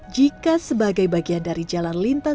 jika sebagai bagian dari jalan ini jalan ini tidak ada